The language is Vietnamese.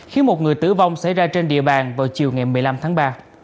khiến một người tử vong xảy ra trên địa bàn vào chiều ngày một mươi năm tháng ba